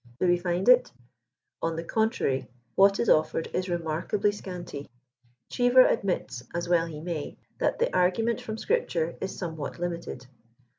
Do we find it f On the contrary, what is offered Is remarkably scanty* Cheever admits, as well he may, that *< the argument from Scripture is somewhat limited."